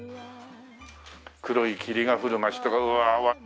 「黒い霧がふる町」とかうわあうわっ。